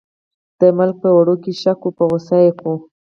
د ملک په وړو کې شګه وه په غوسه کې و.